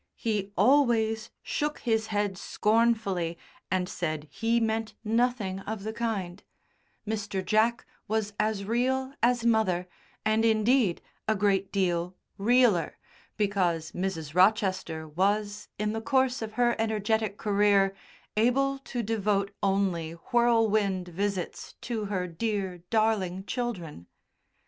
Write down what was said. he always shook his head scornfully and said he meant nothing of the kind, Mr. Jack was as real as mother, and, indeed, a great deal "realer," because Mrs. Rochester was, in the course of her energetic career, able to devote only "whirlwind" visits to her "dear, darling" children.